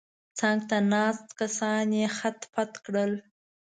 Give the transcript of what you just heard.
څنګ ته ناست کسان یې خت پت کړل.